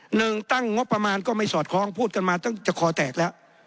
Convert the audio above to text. หนึ่งตั้งงบประมาณก็ไม่สอดคล้องพูดกันมาตั้งจะคอแตกแล้ว